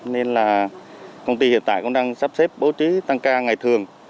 nên là công ty hiện tại cũng đang sắp xếp bố trí tăng ca ngày thường